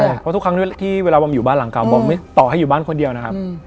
เพราะทุกครั้งที่เวลาบอมอยู่บ้านหลังเก่าบอมต่อให้อยู่บ้านคนเดียวนะครับ